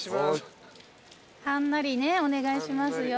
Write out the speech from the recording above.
お願いします。